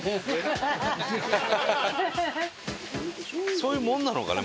そういうもんなのかね